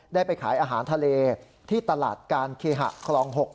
ได้ไปขายอาหารทะเลที่ตลาดการเคหะคลอง๖